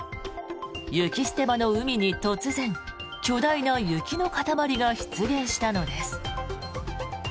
雪捨て場の海に突然巨大な雪の塊が出現したのです。